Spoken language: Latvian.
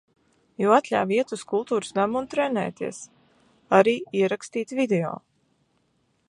Jo atļāva iet uz kultūras namu un trenēties. Arī ierakstīt video.